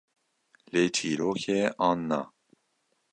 Lê çîrok e, an na?